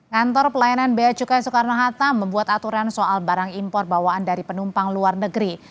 kantor pelayanan bea cukai soekarno hatta membuat aturan soal barang impor bawaan dari penumpang luar negeri